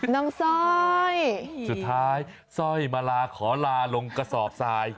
สร้อยสุดท้ายสร้อยมาลาขอลาลงกระสอบทราย